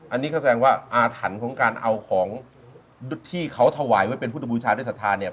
อันนี้ก็แสดงว่าอาถรรพ์ของการเอาของที่เขาถวายไว้เป็นพุทธบูชาด้วยศรัทธาเนี่ย